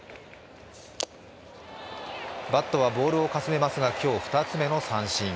バットはボールをかすめますが今日２つ目の三振。